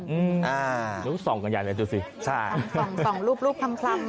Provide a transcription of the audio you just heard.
อืมอ่าส่องกันอย่างนี้ดูสิส่องส่องส่องรูปรูปคล่ำ